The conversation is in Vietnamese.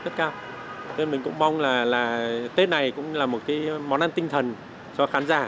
thế mình cũng mong là tết này cũng là một cái món ăn tinh thần cho khán giả